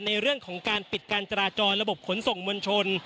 ในเรื่องของการปิดการจราจรระบบขนส่งมวลชน